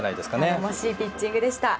頼もしいピッチングでした。